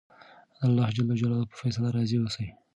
د اللهﷻ په فیصله راضي اوسئ.